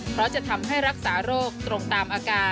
เพราะจะทำให้รักษาโรคตรงตามอาการ